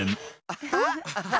アハハ！